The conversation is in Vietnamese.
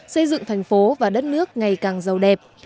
xây dựng thành phố và đất nước ngày càng giàu đẹp